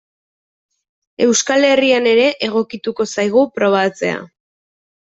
Euskal Herrian ere egokituko zaigu probatzea.